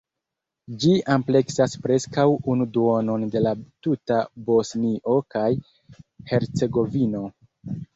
Ĝi ampleksas preskaŭ unu duonon de la tuta Bosnio kaj Hercegovino.